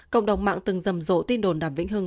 cộng đồng mạng từng rầm rộ tin đồn đàm vĩnh hưng